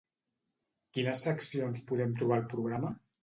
Quines seccions podem trobar al programa?